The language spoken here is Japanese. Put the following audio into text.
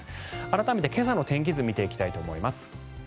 改めて今朝の天気図を見ていきたいと思います。